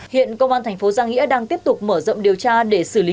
hiện công an thành phố giang nghĩa đang tiếp tục mở rộng điều tra để xử lý